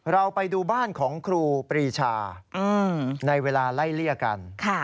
เราไปดูบ้านของครูปรีชาในเวลาไล่เลี่ยกัน